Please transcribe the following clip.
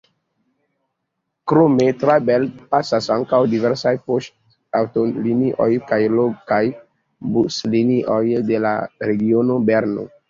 Krome tra Belp pasas ankaŭ diversaj poŝtaŭtolinioj kaj lokaj buslinio de la regiono Berno.